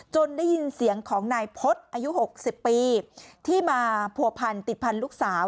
ได้ยินเสียงของนายพฤษอายุ๖๐ปีที่มาผัวพันติดพันธุลูกสาว